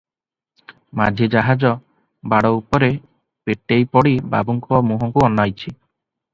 ମାଝି ଜାହାଜ ବାଡ଼ ଉପରେ ପେଟେଇ ପଡ଼ି ବାବୁଙ୍କ ମୁହଁକୁ ଅନାଇଛି ।